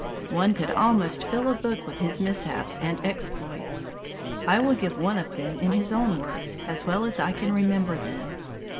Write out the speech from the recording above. One could almost fill a book with his mishaps and exploits. I will give one of them in his own words as well as I can remember them.